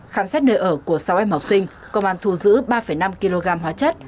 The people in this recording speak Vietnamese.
khám xét nơi ở của sáu em học sinh công an thu giữ ba năm kg hóa chất